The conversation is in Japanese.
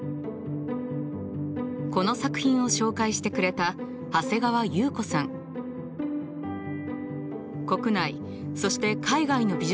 この作品を紹介してくれた国内そして海外の美術館の学芸員。